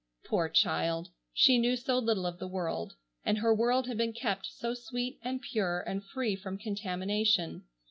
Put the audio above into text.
Poor child! She knew so little of the world, and her world had been kept so sweet and pure and free from contamination.